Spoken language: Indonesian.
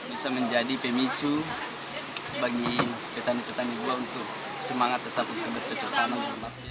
bisa menjadi pemicu bagi petani petani buah untuk semangat tetap untuk bertutup tanung